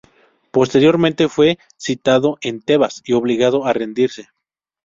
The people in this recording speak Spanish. Posteriormente, fue sitiado en Tebas y obligado a rendirse.